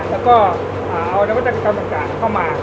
แล้วก็จะกำหนักการเข้ามา